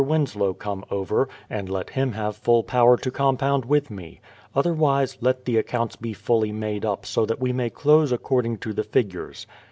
Winslow come over, and let him have full power to compound with me. Otherwise, let the accounts be fully made up so that we may close according to the figures.